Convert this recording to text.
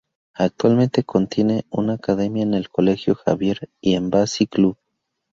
Actualmente tiene una academia en el Colegio Javier y Embassy Club.